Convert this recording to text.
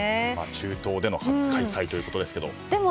中東での初開催ということですけども。